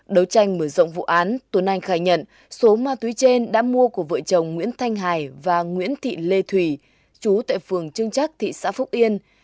đấu tranh mở rộng vụ án tuấn anh khai nhận số ma túy trên đã mua của vợ chồng nguyễn thanh hải và nguyễn thị lê thủy chú tại phường trưng chắc thị xã phúc yên